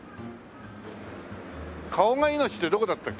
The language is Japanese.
顔がいのちってどこだったっけ？